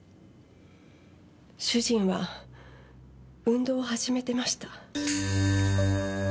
主人は運動を始めてました。